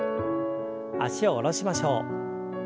脚を下ろしましょう。